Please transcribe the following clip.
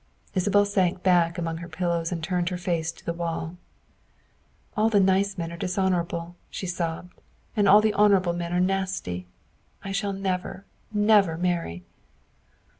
Isabel sank back among her pillows and turned her face to the wall. "All the nice men are dishonorable," she sobbed, " and all the honorable men are nasty. I shall never, never marry."